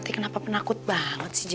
selamat bobo ali